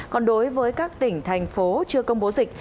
còn đối với các tỉnh thành phố chưa công bố dịch